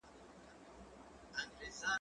زه بايد لیکل وکړم!!